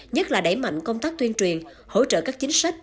nhất là đẩy mạnh công tác tuyên truyền hỗ trợ các chính sách